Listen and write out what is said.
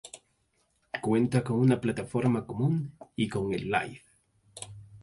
Cuenta con una plataforma común y con el Life.